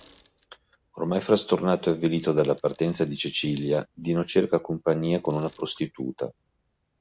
Oramai frastornato e avvilito dalla partenza di Cecilia, Dino cerca compagnia con una prostituta.